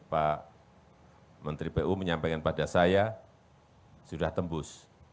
pak menteri pu menyampaikan pada saya sudah tembus